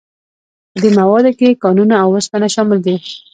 په دې موادو کې کانونه او اوسپنه شامل دي.